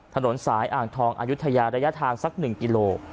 ถนนสายอ่างทองอายุทยาระยะทางสัก๑กิโล